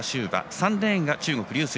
３レーンが中国の劉翠